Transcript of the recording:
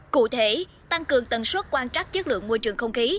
cụ thể tăng cường tần suất quan trắc chất lượng môi trường không khí